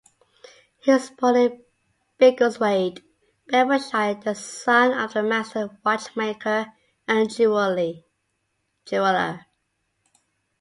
He was born in Biggleswade, Bedfordshire, the son of a master watchmaker and jeweller.